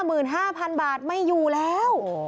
อุ๊ย๕๕๐๐๐บาทไม่อยู่แล้ว